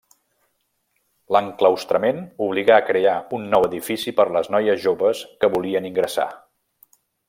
L'enclaustrament obligà a crear un nou edifici per les noies joves que volien ingressar.